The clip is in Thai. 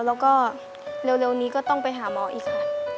แล้วก็เร็วนี้ก็ต้องไปหาหมออีกค่ะ